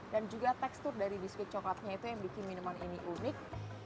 dan juga tekstur dari biskuit coklatnya itu yang bikin minuman ini unik